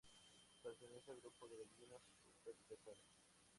Pertenece al grupo de gallinas super pesadas.